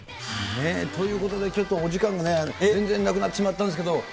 ということで、ちょっとお時間がね、全然なくなってしまったんですけど。